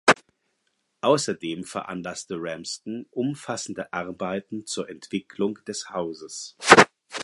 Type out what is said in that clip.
Außerdem veranlasste Ramsden umfassende Arbeiten zur Entwicklung des Hauses.